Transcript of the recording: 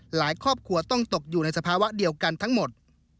ครอบครัวต้องตกอยู่ในสภาวะเดียวกันทั้งหมด